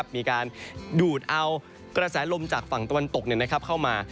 มีการดูดเอากระแสลมจากฝั่งตะวันตกเข้ามา